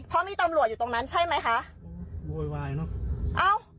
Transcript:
เพราะมีตำรวจอยู่ตรงนั้นใช่ไหมคะโวยวายเนอะเอ้า